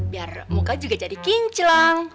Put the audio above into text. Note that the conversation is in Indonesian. biar muka juga jadi kinclang